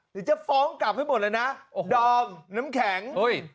เดี๋ยวจะฟ้องกลับให้หมดเลยนะดอมน้ำแข็ง